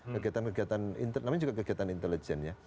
namanya juga kegiatan intelijen ya